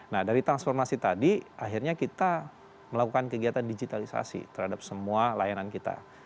nah dari transformasi tadi akhirnya kita melakukan kegiatan digitalisasi terhadap semua layanan kita